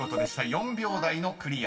［４秒台のクリアです。